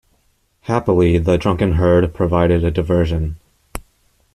Happily the drunken herd provided a diversion.